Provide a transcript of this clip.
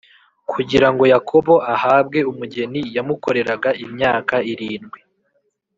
Kugira ngo Yakobo ahabwe umugeni yamukoreraga imyaka irindwi